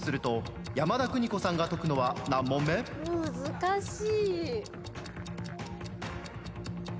難しい。